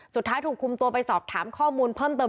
สุดท้ายถูกคุมตัวไปสอบถามข้อมูลเพิ่มเติม